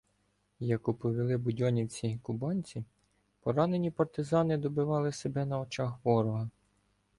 Як оповіли будьо- нівці-кубанці, поранені партизани добивали себе на очах ворога.